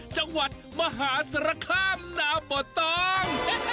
จังหวัดมหาสารคามนาบ่อตอง